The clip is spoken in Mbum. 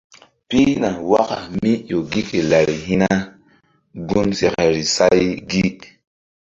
Pihna waka mí ƴo gi ke lari hi̧ na gun sekeri say gi.